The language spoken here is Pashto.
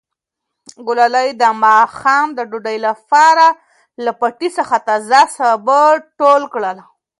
ګلالۍ د ماښام د ډوډۍ لپاره له پټي څخه تازه سابه ټول کړل.